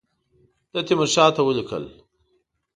ده تیمورشاه ته ولیکل.